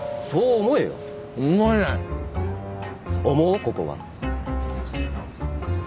思おうここは。